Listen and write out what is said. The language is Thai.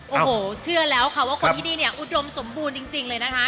โอ้โหเชื่อแล้วค่ะว่าคนที่นี่เนี่ยอุดมสมบูรณ์จริงเลยนะคะ